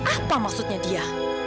apa maksudnya dia